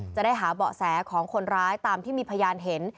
จะได้หาเบาะแสของคนร้ายตามที่มีพยานเห็น